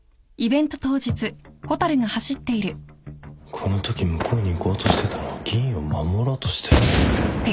このとき向こうに行こうとしてたのは議員を守ろうとして？